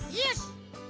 よし！